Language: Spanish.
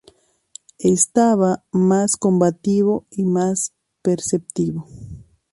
Estaba más combativo y más perceptivo.